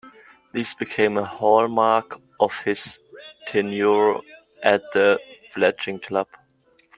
This became a hallmark of his tenure at the fledgling club.